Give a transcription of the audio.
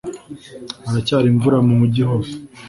Haracyari mvura mu mujyi hose